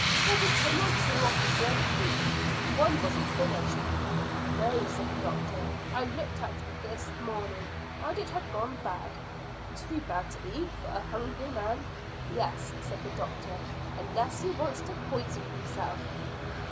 There's a tin or two of preserved meat. One wasn't finished." "No," said the doctor; "I looked at it this morning, and it had gone bad." "Too bad to eat for a hungry man?" "Yes," said the doctor; "unless he wants to poison himself."